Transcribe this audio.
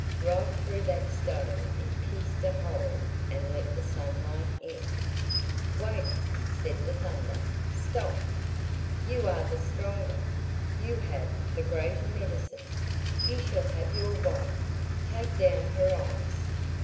Right through that stone it pierced a hole and let the sunlight in. "Wait," said the Thunder; "stop. You are the stronger, you have the greater medicine. You shall have your wife. Take down her eyes."